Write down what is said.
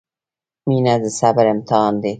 • مینه د صبر امتحان دی.